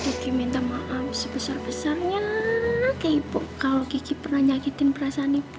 diki minta maaf sebesar besarnya ke ibu kalau kiki pernah nyalahin perasaan ibu